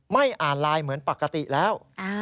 ไม่อ่านไลน์เหมือนปกติแล้ว